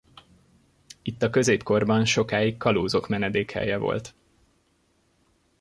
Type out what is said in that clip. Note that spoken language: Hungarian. Itt a középkorban sokáig kalózok menedékhelye volt.